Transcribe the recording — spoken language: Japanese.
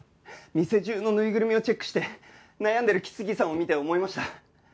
店中のぬいぐるみをチェックして悩んでる木次さんを見て思いました。